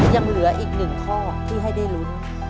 ยังเหลืออีกหนึ่งข้อที่ให้ได้ลุ้น